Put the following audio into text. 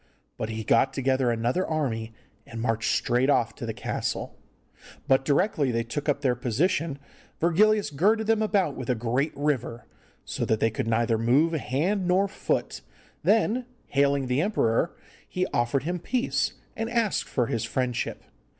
But he got together another army, and marched straight off to the castle. But directly they took up their position Virgilius girded them about with a great river, so that they could neither move hand nor foot, then, hailing the emperor, he offered him peace, and asked for his friendship.